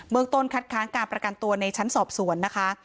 เมืองต้นคัดค้างการประกันตัวในชั้นสอบสวนนะคะ